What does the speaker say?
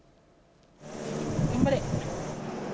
頑張れ。